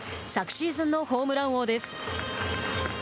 昨シーズンのホームラン王です。